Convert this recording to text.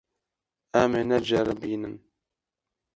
Em ê neceribînin.